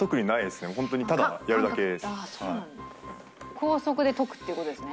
高速で解くっていう事ですね。